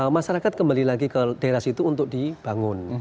masyarakat kembali lagi ke daerah situ untuk dibangun